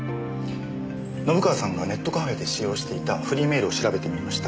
信川さんがネットカフェで使用していたフリーメールを調べてみました。